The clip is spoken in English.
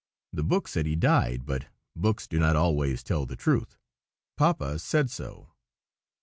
The book said he died, but books do not always tell the truth; Papa said so.